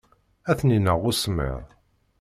Ad ten-ineɣ usemmiḍ.